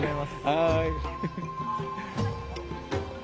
はい。